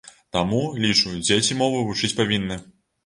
Таму, лічу, дзеці мову вучыць павінны.